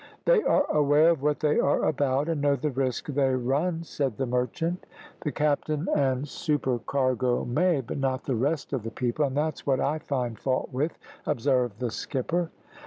"They are aware of what they are about, and know the risk they run," said the merchant. "The captain and supercargo may, but not the rest of the people, and that's what I find fault with," observed the skipper.